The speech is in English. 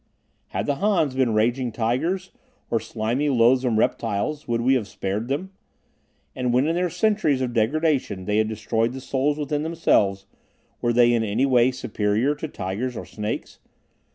Had the Hans been raging tigers, or slimy, loathsome reptiles, would we have spared them? And when in their centuries of degradation they had destroyed the souls within themselves, were they in any way superior to tigers or snakes?